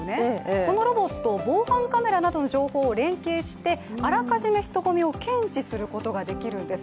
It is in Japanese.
このロボット、防犯カメラなどの情報を連携してあらかじめ人混みを検知することができるんです。